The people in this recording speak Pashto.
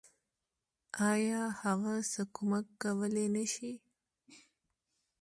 آيا هغه څه کمک کولی نشي.